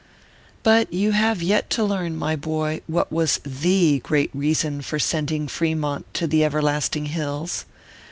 But you have yet to learn, my boy, what was the great reason for sending Fremont to the everlasting hills.